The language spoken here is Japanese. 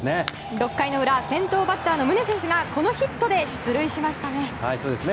６回の裏、先頭バッターの宗選手が、このヒットで出塁しましたね。